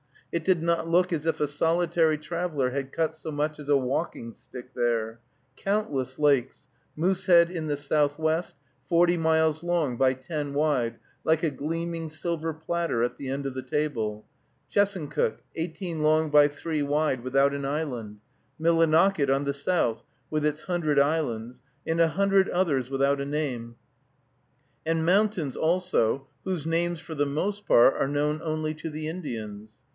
It did not look as if a solitary traveler had cut so much as a walking stick there. Countless lakes, Moosehead in the southwest, forty miles long by ten wide, like a gleaming silver platter at the end of the table; Chesuncook, eighteen long by three wide, without an island; Millinocket, on the south, with its hundred islands; and a hundred others without a name; and mountains, also, whose names, for the most part, are known only to the Indians.